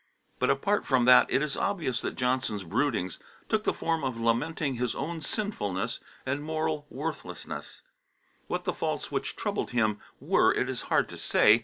But, apart from that, it is obvious that Johnson's broodings took the form of lamenting his own sinfulness and moral worthlessness: what the faults which troubled him were, it is hard to say.